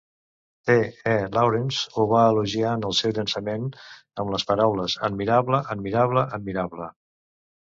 T. E. Lawrence ho va elogiar en el seu llançament amb les paraules "Admirable, admirable, admirable".